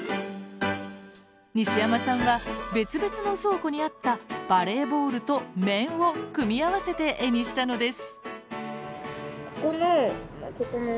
西山さんは別々の倉庫にあったバレーボールと面を組み合わせて絵にしたのです。